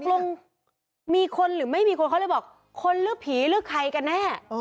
ตกลงมีคนหรือไม่คนเขาเลยบอกคนลึกผีลึกใครกันแน่